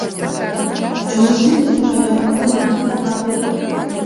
— Чоҥештен лектын кая гын, войнам ок тарвате?